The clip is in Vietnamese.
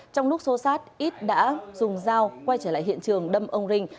trong lúc xô xát ít đã dùng dao quay trở lại hiện trường đâm ông rinh